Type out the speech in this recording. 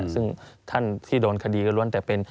ซึ่งท่านที่โดนคดีก็ล้วนแต่เป็น